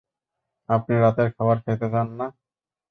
আপনি রাতের খাবার খেতে চান না?